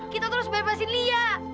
kita terus bebasin lia